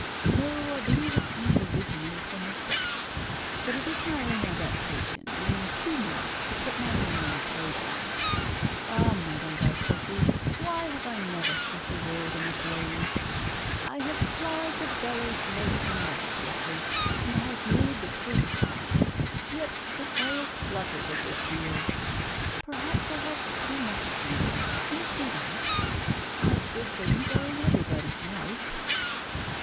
"No, I believe it comes originally from the Dutch. But it is my own adaptation, and I am too modest to put my name on a programme. Ah! Madame Valtesi, why have I never set the world in a blaze? I have plied the bellows most industriously, and I have made the twigs crackle, yet the fire splutters a good deal. Perhaps I have too much genius. Can it be that? My good things are in everybody's mouth."